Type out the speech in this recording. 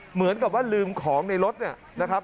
เหมือนกับว่าลืมของในรถเนี่ยนะครับ